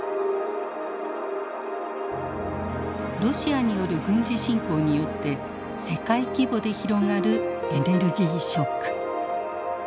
ロシアによる軍事侵攻によって世界規模で広がるエネルギーショック。